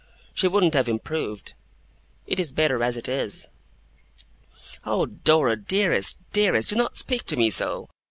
She wouldn't have improved. It is better as it is.' 'Oh, Dora, dearest, dearest, do not speak to me so.